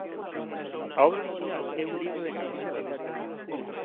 A obra orixinal é un libro de gravados.